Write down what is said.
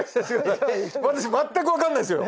私全くわかんないですよ。